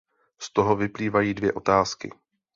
Z toho vyplývají dvě otázky.